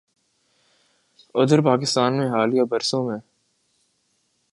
ادھر پاکستان میں حالیہ برسوں میں